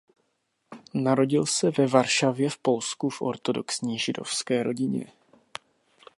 Narodil se ve Varšavě v Polsku v ortodoxní židovské rodině.